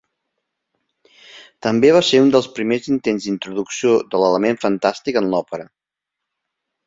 També va ser un dels primers intents d'introducció de l'element fantàstic en l'òpera.